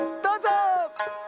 どうぞ。